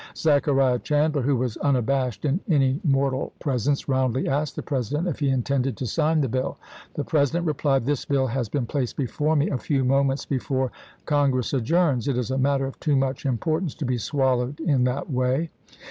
Zachariah Chandler, who was unabashed in any mortal pres ence, roundly asked the President if he intended to dW. sign the bill. The President replied: "This bill has been placed before me a few moments before Con gress adjourns. It is a matter of too much import ance to be swallowed in that way."